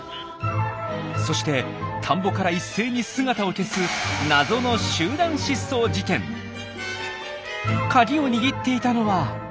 そして田んぼから一斉に姿を消す謎のカギを握っていたのは。